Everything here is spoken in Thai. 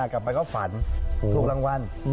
กลับไปก็ฝันถูกรางวัล